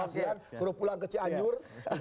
suruh pulang ke cianjur